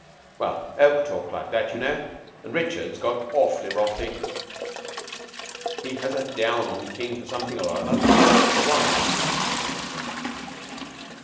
Well, Oke talked like that, you know, and Richards got awf'ly wrathy. He has a down on King for something or other. Wonder why?"